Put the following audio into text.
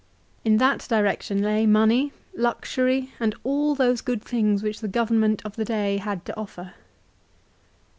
In that direction lay money, luxury, and all those good things which the government of the day had to offer.